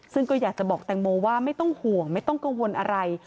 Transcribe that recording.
ซึ่งก็อยากจะบอกแตงโมว่าไม่ต้องห่วงไม่ต้องกังวลอะไร